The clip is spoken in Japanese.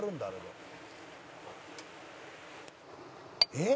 「えっ！